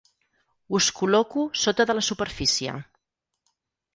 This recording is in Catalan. Us col·loco sota de la superfície.